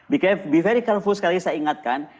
be very careful sekali lagi saya ingatkan